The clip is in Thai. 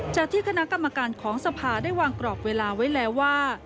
จากที่คณะกรรมการของสภาได้วางกรอบเวลาไว้แล้วว่า